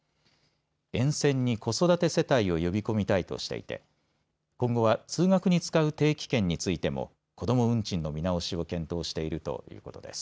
沿線に子育て世帯を呼び込みたいとしていて今後は通学に使う定期券についても子ども運賃の見直しを検討しているということです。